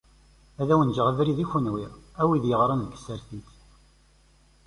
Ad wen-neǧǧ abrid i kunwi, a wid yeɣran deg tsertit.